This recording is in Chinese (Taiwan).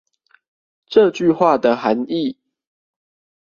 這句話的含義